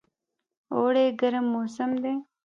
اوړی ګرم موسم دی